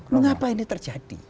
mengapa ini terjadi